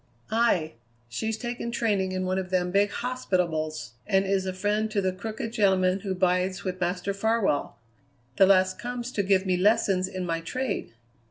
"Aye. She's taken training in one of them big hospitables, and is a friend to the crooked gentleman who bides with Master Farwell. The lass comes to give me lessons in my trade."